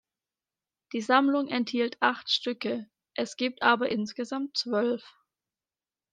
Die Sammlung enthielt acht Stücke, es gibt aber insgesamt zwölf.